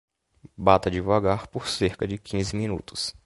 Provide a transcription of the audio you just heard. Bata devagar por cerca de quinze minutos.